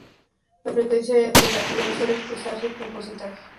La frecuencia relativa suele expresarse como porcentaje.